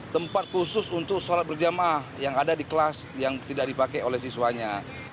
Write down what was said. tempat khusus untuk sholat berjamaah yang ada di kelas yang tidak dipakai oleh siswanya